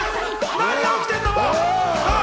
何が起きてんの？